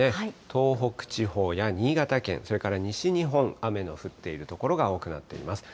東北地方や新潟県、それから西日本、雨の降っている所が多くなっています。